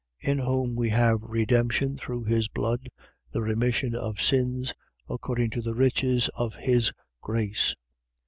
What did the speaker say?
1:7. In whom we have redemption through his blood, the remission of sins, according to the riches of his, grace, 1:8.